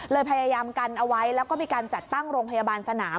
พยายามกันเอาไว้แล้วก็มีการจัดตั้งโรงพยาบาลสนาม